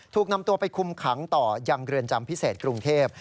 ถูกนำตัวไปคุมขังต่อยังเรือนจำพิเศษกรุงเทพ